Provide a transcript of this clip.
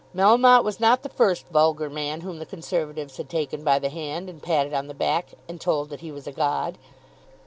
Melmotte was not the first vulgar man whom the Conservatives had taken by the hand, and patted on the back, and told that he was a god.